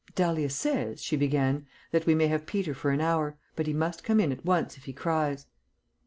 "Dahlia says," she began, "that we may have Peter for an hour, but he must come in at once if he cries."